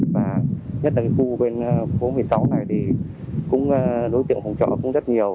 và nhất là khu bên phố một mươi sáu này thì đối tiện hỗ trợ cũng rất nhiều